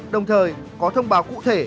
đồng thời có thông báo cụ thể